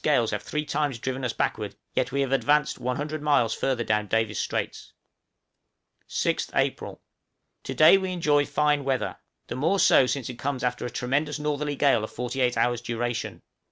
gales have three times driven us backward, yet we have advanced 100 miles further down Davis' Straits. {APR., 1858.} {BREAKING UP OF ICE.} 6th April. To day we enjoy fine weather, the more so since it comes after a tremendous northerly gale of forty eight hours' duration.